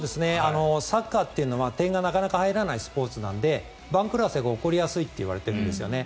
サッカーというのは点がなかなか入らないスポーツなので番狂わせが起こりやすいといわれてるんですよね。